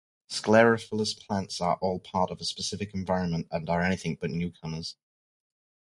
Sclerophyllous plants are all part of a specific environment and are anything but newcomers.